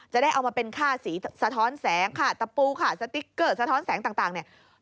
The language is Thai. จะได้เอามาเป็นค่าสีสะท้อนแสงขาดตะปูขาดสติ๊กเกอร์สะท้อนแสงต่างเนี่ย